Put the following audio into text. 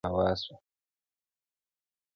ملکه له تخته پورته په هوا سوه،